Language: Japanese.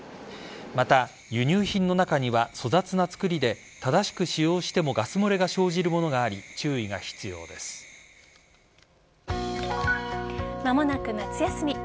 また、輸入品の中には粗雑な作りで正しく使用してもガス漏れが生じるものがあり間もなく夏休み。